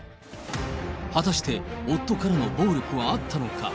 果たして、夫からの暴力はあったのか。